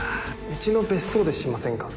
うちの別荘でしませんか？